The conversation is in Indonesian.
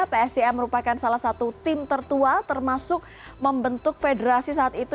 psdm merupakan salah satu tim tertua termasuk membentuk federasi saat itu